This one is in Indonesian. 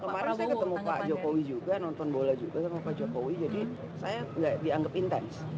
puan jokowi juga nonton bola juga sama pak jokowi jadi saya tidak dianggap intens